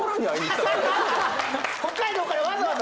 北海道からわざわざ⁉